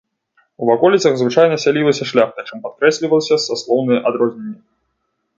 У ваколіцах звычайна сялілася шляхта, чым падкрэслівалася саслоўнае адрозненне.